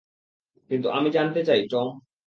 কিন্তু আমি জানতে চাই, টম।